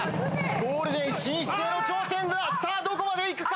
ゴールデン進出への挑戦ださぁどこまで行くか？